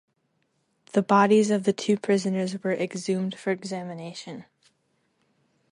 The bodies of the two prisoners were exhumed for examination.